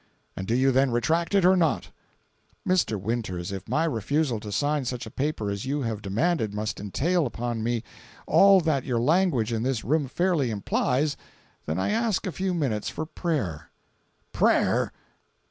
"And do you then retract it or not?" "Mr. Winters, if my refusal to sign such a paper as you have demanded must entail upon me all that your language in this room fairly implies, then I ask a few minutes for prayer." "Prayer!